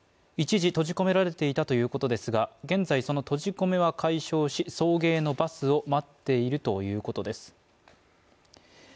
一時閉じ込められていたということですが、現在その閉じ込めは解消し送迎のバスを待っているということです。